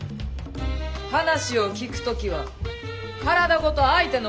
話を聞く時は体ごと相手の方を向く。